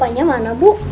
bapaknya mana bu